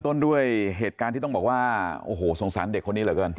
ต้นด้วยเหตุการณ์ที่ต้องบอกว่าโอ้โหสงสารเด็กคนนี้เหลือเกิน